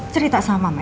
cerita sama mama